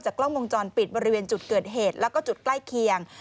กล้องวงจรปิดบริเวณจุดเกิดเหตุแล้วก็จุดใกล้เคียง